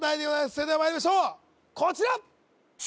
それではまいりましょうこちら！